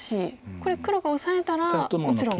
これ黒がオサえたらもちろん。